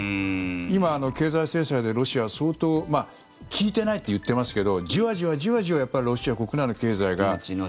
今、経済制裁でロシアは相当効いていないといっていますがじわじわじわじわとロシア国内の経済が。